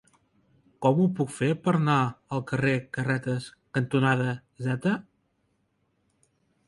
Com ho puc fer per anar al carrer Carretes cantonada Z?